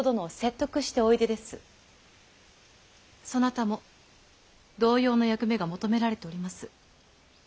そなたも同様の役目が求められております。